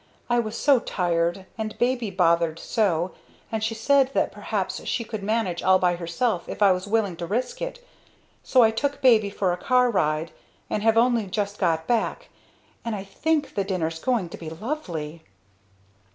I was so tired, and baby bothered so, and she said that perhaps she could manage all by herself if I was willing to risk it, so I took baby for a car ride and have only just got back. And I think the dinner's going to be lovely!"